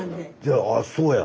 ああそうや。